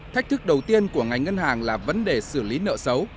thách thức đầu tiên của ngành ngân hàng là vấn đề xử lý nợ xấu